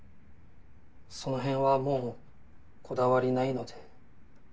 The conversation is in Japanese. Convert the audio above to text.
そのへんはもうこだわりないので。